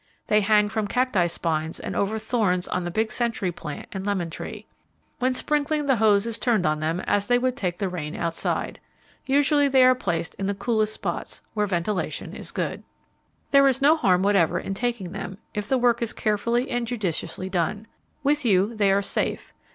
They hang from cacti spines and over thorns on the big century plant and lemon tree. When sprinkling, the hose is turned on them, as they would take the rain outside. Usually they are placed in the coolest spots, where ventilation is good. There is no harm whatever in taking them if the work is carefully and judiciously done. With you they are safe.